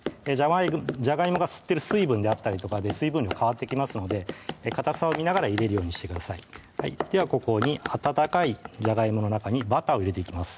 じゃがいもが吸ってる水分であったりとかで水分量変わってきますのでかたさを見ながら入れるようにしてくださいではここに温かいじゃがいもの中にバターを入れていきます